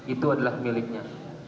itu adalah miliknya